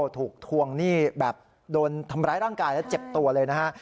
ถูกทวงหนี้แบบโดนทำร้ายร่างกายและเจ็บตัวเลยนะฮะ